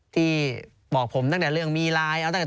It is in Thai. ที่บอกผมตั้งแต่เรื่องมีไลน์